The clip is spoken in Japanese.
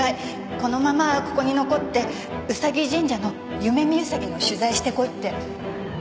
このままここに残ってうさぎ神社の夢見兎の取材してこいって。